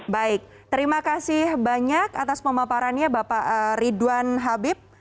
baik terima kasih banyak atas pemaparannya bapak ridwan habib